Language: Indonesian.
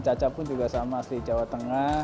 caca pun juga sama asli jawa tengah